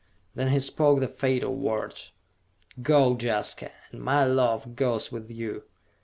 Then he spoke the fatal words. "Go, Jaska, and my love goes with you!"